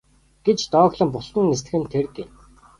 гэж дооглон бултан нисдэг нь тэр гэнэ.